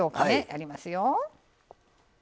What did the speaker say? やりますよ。